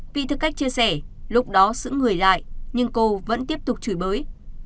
vị thức cách chia sẻ lúc đó sững người lại nhưng cô vẫn tiếp tục chửi bới